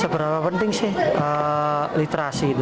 seberapa penting sih literasi itu